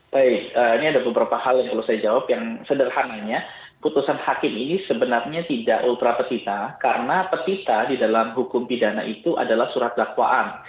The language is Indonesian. baik ini ada beberapa hal yang perlu saya jawab yang sederhananya putusan hakim ini sebenarnya tidak ultra petita karena petita di dalam hukum pidana itu adalah surat dakwaan